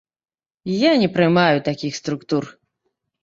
Я не прымаю такіх структур.